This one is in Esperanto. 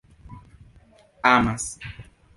amas